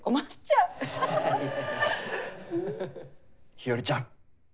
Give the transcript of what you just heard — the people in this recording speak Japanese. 日和ちゃん